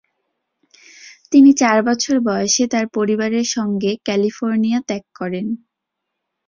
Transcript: তিনি চার বছর বয়সে তার পরিবারের সঙ্গে ক্যালিফোর্নিয়া ত্যাগ করেন।